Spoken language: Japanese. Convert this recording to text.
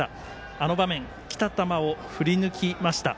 あの場面来た球を振り抜きました。